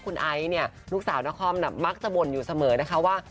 คุณไอซ์เนี่ยลูกสาวนครมักจะบ่นอยู่เสมอนะคะว่า